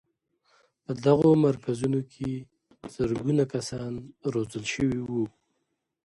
په دغو مرکزونو کې زرګونه کسان روزل شوي وو.